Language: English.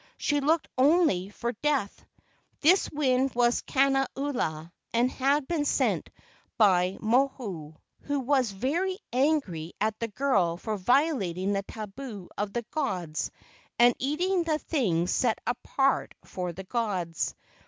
She looked only for death. This wind was Kana ula, and had been sent by KE AU NINI 193 Moho, who was very angry at the girl for vio¬ lating the tabu of the gods and eating the things set apart for the gods.